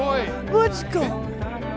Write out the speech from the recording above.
マジか！